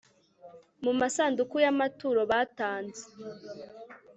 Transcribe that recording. mu masanduku y amaturo batanze